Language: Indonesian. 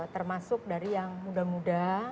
termasuk dari yang muda muda